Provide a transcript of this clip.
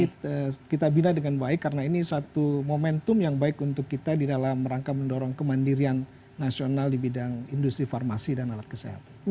ini kita bina dengan baik karena ini satu momentum yang baik untuk kita di dalam rangka mendorong kemandirian nasional di bidang industri farmasi dan alat kesehatan